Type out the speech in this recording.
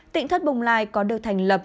tỉnh thất bồng lai có được thành lập